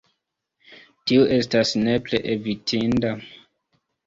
Tio estas nepre evitinda.